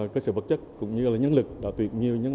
cơ sở vật chất cũng như là nhân lực đã tuyệt nhiều